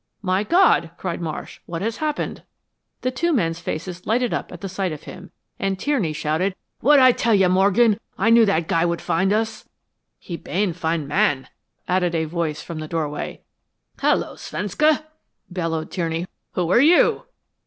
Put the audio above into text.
"My God!" cried Marsh, "what has happened?" The two men's faces lighted up at sight of him, and Tierney shouted, "What did I tell you, Morgan? I knew that guy would find us." "He bane fine man," added a voice from the doorway. "Hello Svenska!" bellowed Tierney. "Who are you?"